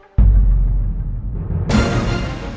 kalo kamu memang cinta sama putri